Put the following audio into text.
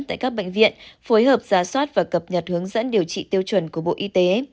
tại các bệnh viện phối hợp giá soát và cập nhật hướng dẫn điều trị tiêu chuẩn của bộ y tế